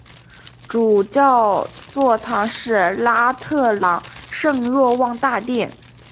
主教座堂是拉特朗圣若望大殿。